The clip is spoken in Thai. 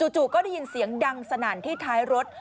จู่ก็ได้ยินเสียงดังสนั่นที่ท้ายรถ